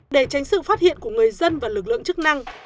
để tránh sự phát hiện của người dân và lực lượng chức năng